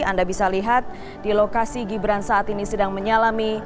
anda bisa lihat di lokasi gibran saat ini sedang menyalami